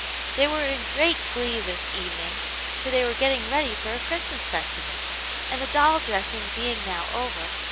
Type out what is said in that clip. They were in great glee this evening, for they were getting ready for a Christmas festival, and the doll dressing being now over.